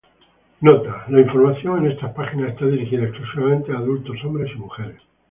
Nota: La información en estas páginas está dirigida exclusivamente a adultos: hombres y mujeres